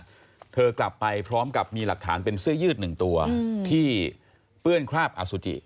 เธอกลับไปพร้อมกับมีหลักฐานเป็นเสื้อยืดหนึ่งตัวที่เปื้อนคราบอสุจิ